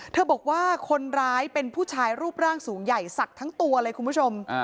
บอกว่าคนร้ายเป็นผู้ชายรูปร่างสูงใหญ่ศักดิ์ทั้งตัวเลยคุณผู้ชม